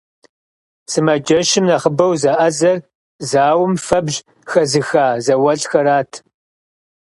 Сымаджэщым нэхъыбэу зэӀэзэр зауэм фэбжь хэзыха зауэлӀхэрат.